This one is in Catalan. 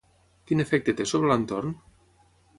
Quin efecte té sobre l'entorn?